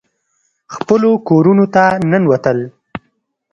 خپلو کورونو ته ننوتل.